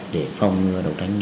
để phòng ngừa đấu tranh như vậy